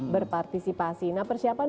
berpartisipasi nah persiapan